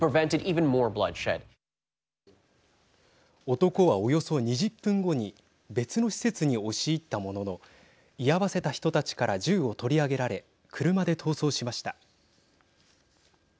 男は、およそ２０分後に別の施設に押し入ったものの居合わせた人たちから銃を取り上げられ車で逃走しました。